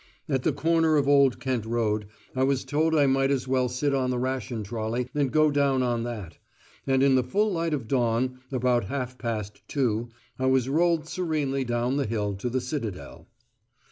At the corner of Old Kent Road, I was told I might as well sit on the ration trolley and go down on that. And in the full light of dawn, about half past two, I was rolled serenely down the hill to the Citadel.